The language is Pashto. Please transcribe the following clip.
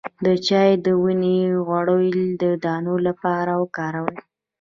د چای د ونې غوړي د دانو لپاره وکاروئ